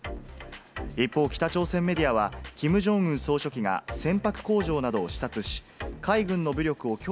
一方、北朝鮮メディアは、キム・ジョンウン総書記が船舶工場などを視察し、海軍の武力を強